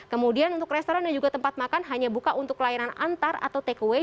kemudian untuk restoran dan juga tempat makan hanya buka untuk layanan antar atau take away